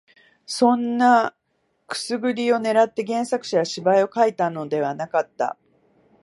そんなくすぐりを狙って原作者は芝居を書いたのではなかった